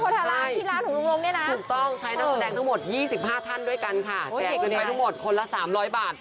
ก่อนเดี๋ยวปิดร้านแล้วก็มาเล่นแล้วล่ะค่ะสมบัติศาสตร์หน้ากล้างสี่สิบห้าทันด้วยกันค่ะแต่เอากล้างสิบห้าทันด้วยกันค่ะแต่คืนไหวเข้าหมดคนละสามร้อยบาทค่ะ